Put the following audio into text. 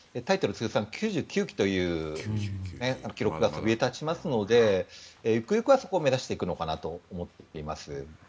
通算９９期という記録がそびえ立ちますので行く行くはそこを目指していくのかなと思っています。